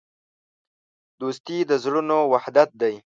دوستي د زړونو وحدت دی.